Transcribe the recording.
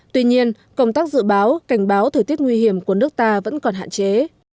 tuy nhiên công tác dự báo cảnh báo thời tiết nguy hiểm của nước ta vẫn còn hạn chế